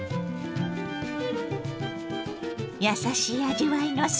やさしい味わいのスープ。